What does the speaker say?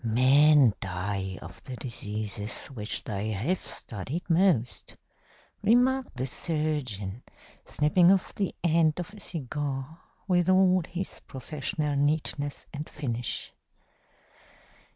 "Men die of the diseases which they have studied most," remarked the surgeon, snipping off the end of a cigar with all his professional neatness and finish.